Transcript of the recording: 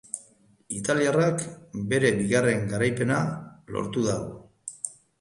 Italiarrak bere bigarren garaipena lortu du.